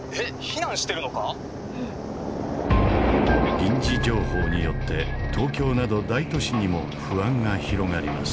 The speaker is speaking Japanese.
臨時情報によって東京など大都市にも不安が広がります。